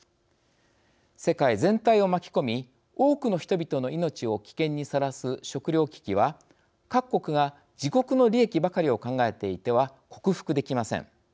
世界全体を巻き込み多くの人々の命を危険にさらす食料危機は各国が自国の利益ばかりを考えていては克服できません。